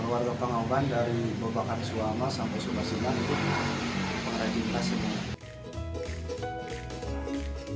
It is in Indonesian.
warga pengoban dari bapak karisulama sampai subasena pengrajin tas semua